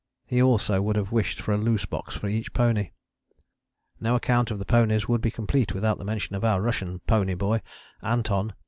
He also would have wished for a loose box for each pony. No account of the ponies would be complete without mention of our Russian pony boy, Anton.